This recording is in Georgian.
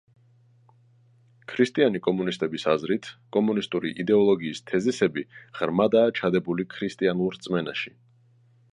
ქრისტიანი კომუნისტების აზრით, კომუნისტური იდეოლოგიის თეზისები ღრმადაა ჩადებული ქრისტიანულ რწმენაში.